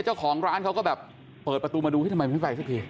เจ้าของร้านเขาก็แบบเปิดประตูมาดูทำไมไม่ไฟสักที